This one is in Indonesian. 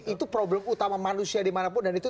itu problem utama manusia dimanapun dan itu